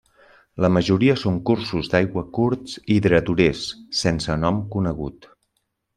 La majoria són cursos d'aigua curts i dreturers, sense nom conegut.